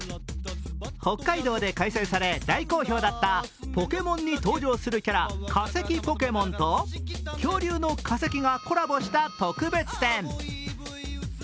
北海道で開催され、大好評だったポケモンに登場するキャラカセキポケモンと恐竜の化石がコラボした特別展。